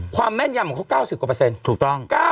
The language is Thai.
ความแม่นยำของเขา๙๐กว่าเปอร์เซ็นต์